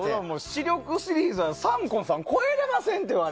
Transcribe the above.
視力シリーズはサンコンさんを超えられませんて。